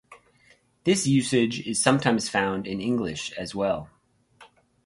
This usage is sometimes found in English as well.